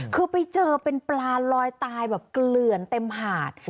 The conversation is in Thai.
คือไปเจอเป็นปลาลอยตายแบบเกลื่อนเต็มหาด